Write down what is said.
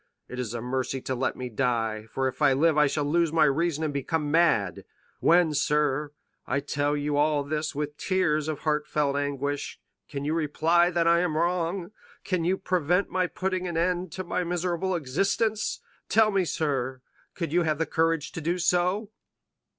It is a mercy to let me die, for if I live I shall lose my reason and become mad. When, sir, I tell you all this with tears of heartfelt anguish, can you reply that I am wrong, can you prevent my putting an end to my miserable existence? Tell me, sir, could you have the courage to do so?"